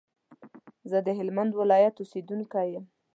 زه د هلمند ولايت اوسېدونکی يم